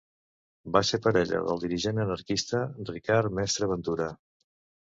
Va ser parella del dirigent anarquista Ricard Mestre Ventura.